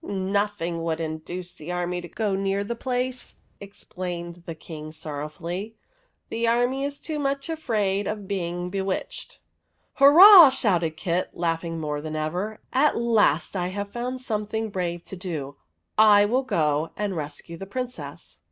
" Nothing would induce the army to go near the place," explained the King, sorrowfully; " the army is too much afraid of being be witched." " Hurrah !" shouted Kit, laughing more than ever. " At last I have found something OF THE WILLOW HERB 13 brave to do !/ will go and rescue the Prin cess."